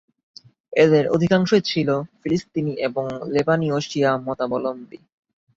এদের অধিকাংশই ছিলো ফিলিস্তিনি এবং লেবানিয় শিয়া মতাবলম্বী।